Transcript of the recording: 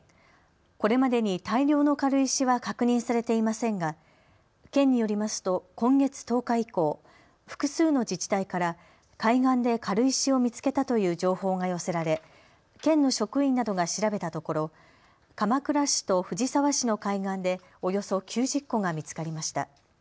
これまでに大量の軽石は確認されていませんが県によりますと今月１０日以降、複数の自治体から海岸で軽石を見つけたという情報が寄せられ県の職員などが調べたところ鎌倉市と藤沢市の海岸でおよそ９０個が見つかりました。